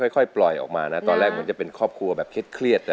ค่อยปล่อยออกมานะตอนแรกเหมือนจะเป็นครอบครัวแบบเครียดนะ